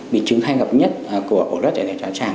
biên chứng hay gặp nhất của ổ lết dạ dày dạ trang